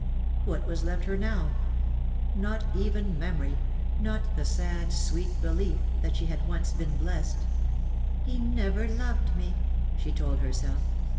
What was left her now? Not even memory — not the sad sweet belief that she had once been blest. " He never loved me," she told herself.